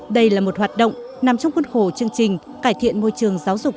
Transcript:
đây là một hoạt động nằm trong quân khổ chương trình cải thiện môi trường giáo dục